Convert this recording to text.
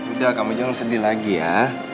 udah kamu jangan sedih lagi ya